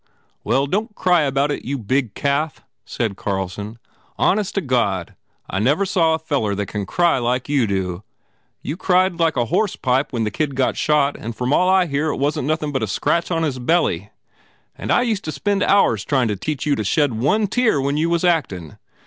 "Well, don t cry about it, you big calf," said Carlson, "Honest to God, I never saw a feller that can cry like you do ! You cried like a hose pipe when the kid got shot and from all I hear it wasn t nothin but a scratch on his belly. And I used to spend hours trying to teach you to shed one tear when you was actin !